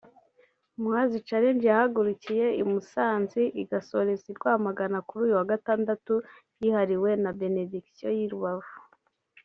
Muhazi Challenge yahagurukiye i Musanzi igasorezwa i Rwamagana kuri uyu wa gatandatu yihariwe na Benediction y’i Rubavu